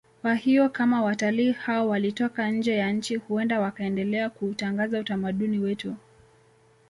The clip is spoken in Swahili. Kwa hiyo kama watalii hao walitoka nje ya nchi huenda wakaendelea kuutangaza utamaduni wetu